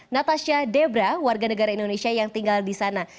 natasha debra warga negara indonesia yang tinggal di sana